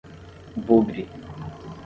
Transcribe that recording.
Bugre